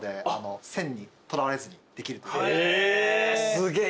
すげえ